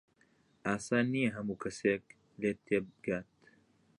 ئاسان نییە هەموو کەسێک لێت تێبگات.